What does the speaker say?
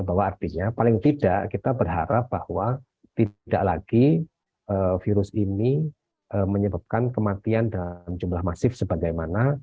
bahwa artinya paling tidak kita berharap bahwa tidak lagi virus ini menyebabkan kematian dalam jumlah masif sebagaimana